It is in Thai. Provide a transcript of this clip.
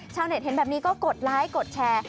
ชาวเน็ตเห็นแบบนี้ก็กดไลค์กดแชร์